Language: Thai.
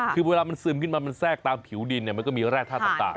คือเวลามันซึมขึ้นมามันแทรกตามผิวดินมันก็มีแร่ท่าต่าง